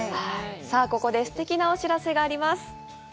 さあ、ここですてきなお知らせがあります。